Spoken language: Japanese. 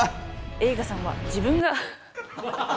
栄花さんは自分が。